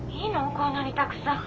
こんなにたくさん。